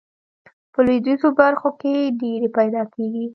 په لویدیځو برخو کې ډیرې پیداکیږي.